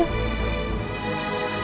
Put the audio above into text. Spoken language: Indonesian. karena ini juga kan